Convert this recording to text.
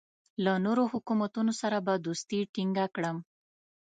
له نورو حکومتونو سره به دوستي ټینګه کړم.